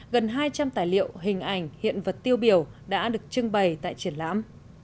gần hai trăm linh tài liệu hình ảnh hiện vật tiêu biểu đã được trưng bày tại triển lãm